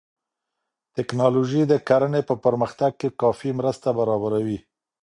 ټکنالوژي د کرنې په پرمختګ کې کافي مرسته برابروي.